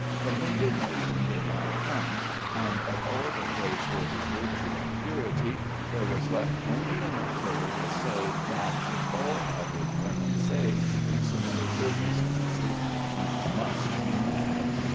But indignation did not come, and of all her praiseworthy virtue and purity, there was left only enough for her to say that which all average women say in similar circumstances: "You must be mad."